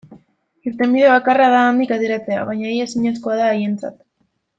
Irtenbide bakarra da handik ateratzea, baina ia ezinezkoa da haientzat.